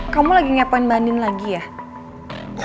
kamu lagi ngepoin bandin lagi ya